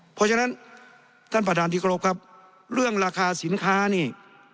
เพราะฉะนั้นท่านประธานที่เคารพครับเรื่องราคาสินค้านี่